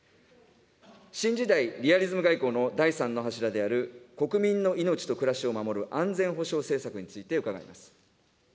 新時代リアリズム外交の第３の柱である、国民の命と暮らしを守る安全保障政策について、伺います。